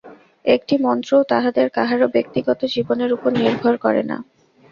একটি মন্ত্রও তাঁহাদের কাহারও ব্যক্তিগত জীবনের উপর নির্ভর করে না।